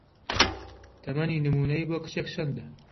تەمەنی نموونەیی بۆ کچێک چەندە؟